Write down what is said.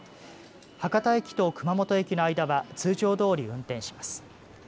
博多駅と熊本駅の間は通常どおり運転します。